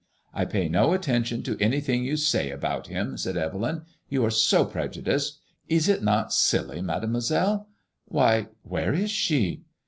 " I pay no attention to any thing you say about him," said Evelyn; "you are so preju diced. Is it not silly. Mademoi selle Why, where is she